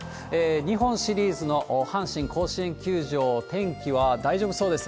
日本シリーズの阪神甲子園球場、天気は大丈夫そうです。